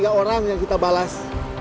tiga orang yang kita balas